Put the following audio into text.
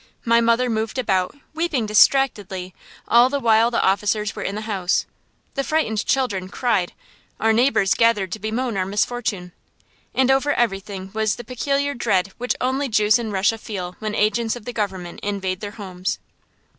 My mother moved about, weeping distractedly, all the while the officers were in the house. The frightened children cried. Our neighbors gathered to bemoan our misfortune. And over everything was the peculiar dread which only Jews in Russia feel when agents of the Government invade their homes.